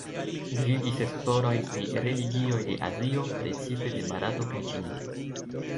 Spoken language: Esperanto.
Gvidis esplorojn pri religioj de Azio, precipe de Barato kaj Ĉinio.